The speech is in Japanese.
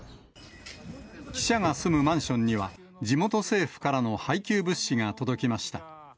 記者が住むマンションには、地元政府からの配給物資が届きました。